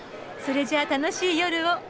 それじゃあ楽しい夜を。